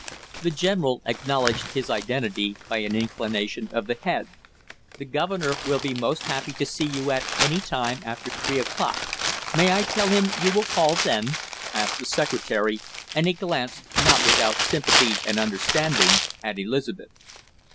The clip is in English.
The general acknowledged his identity by an inclination of the head. "The governor will be most happy to see you at any time after three o'clock. May I tell him you will call then?" asked the secretary, and he glanced, not without sympathy and understanding, at Elizabeth.